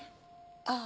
ああ。